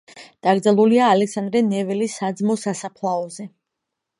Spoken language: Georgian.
დაკრძალულია ალექსანდრე ნეველის საძმო სასაფლაოზე.